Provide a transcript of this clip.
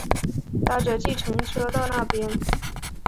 搭著计程车到那边